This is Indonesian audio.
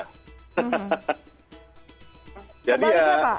kembali ke mana pak